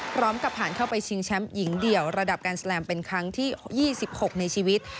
ผ่านเข้าไปชิงแชมป์หญิงเดี่ยวระดับการแสลมเป็นครั้งที่๒๖ในชีวิต